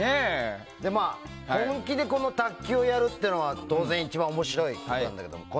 本気でこの卓球をやるというのは当然、一番面白いわけだけど。